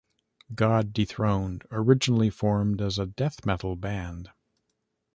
God Dethroned originally formed as a death metal band.